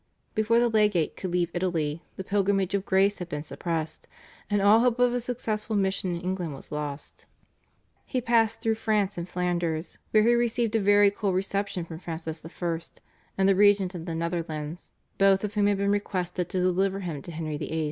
Before the legate could leave Italy the Pilgrimage of Grace had been suppressed, and all hope of a successful mission in England was lost. He passed through France and Flanders, where he received a very cool reception from Francis I. and the regent of the Netherlands, both of whom had been requested to deliver him to Henry VIII.